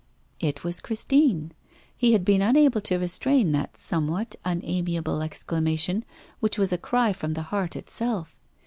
It was Christine. He had been unable to restrain that somewhat unamiable exclamation, which was a cry from the heart itself.